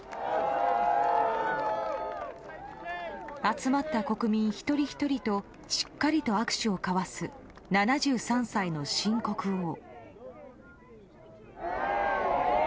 集まった国民一人ひとりとしっかりと握手を交わす７３歳の新国王。